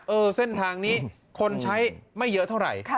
เส้นทางนี้คนใช้ไม่เยอะเท่าไหร่